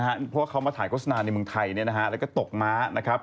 เพราะว่าเขามาถ่ายโฆษณาในเมืองไทยแล้วก็ตกม้านะครับ